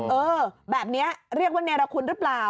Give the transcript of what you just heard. เออแบบนี้เรียกว่าเนรคุณหรือเปล่า